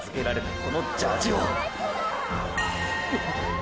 このジャージをっ！！